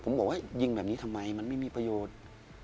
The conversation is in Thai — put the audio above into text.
ผมบอกว่ายิงแบบนี้ทำไมมันไม่มีประโยชน์